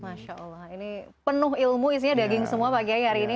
masya allah ini penuh ilmu isinya daging semua pak kiai hari ini